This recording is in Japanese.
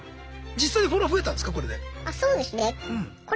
実際にフォロワー増えたんですか？